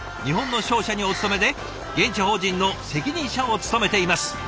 日本の商社にお勤めで現地法人の責任者を務めています。